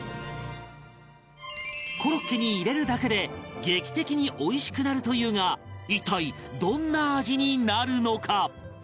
コロッケに入れるだけで劇的においしくなるというが一体どんな味になるのか？